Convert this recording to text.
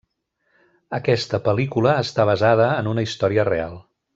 Aquesta pel·lícula està basada en una història real.